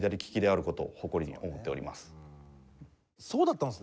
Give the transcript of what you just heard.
そうだったんですね。